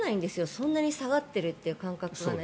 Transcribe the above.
そんなに下がってるという感覚がない。